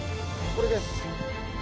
これです。